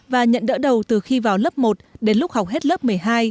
và nhận đỡ đầu từ khi vào lớp một đến lúc học hết lớp một mươi hai